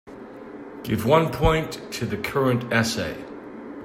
Give one point to the current essay.